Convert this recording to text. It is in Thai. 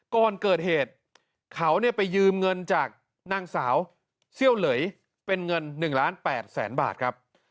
ก่อนเกิดเหตุเขาไปยืมเงินจากนางสาวเซี่ยวเหลยเป็นเงิน๑ล้าน๘แสนบาทครับ